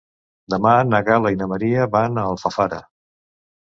Demà na Gal·la i na Maria van a Alfafara.